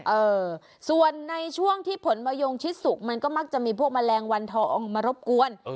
เออส่วนในช่วงที่ผลมะยงชิดสุกมันก็มักจะมีพวกแมลงวันทองออกมารบกวน